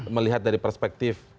melihat dari perspektif